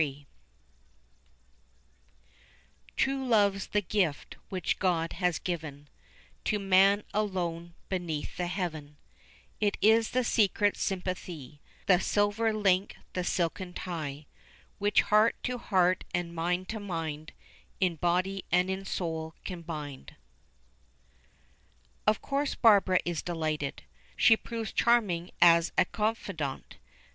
"True love's the gift which God has given To man alone beneath the heaven: It is the secret sympathy, The silver link, the silken tie, Which heart to heart and mind to mind In body and in soul can bind." Of course Barbara is delighted. She proves charming as a confidante.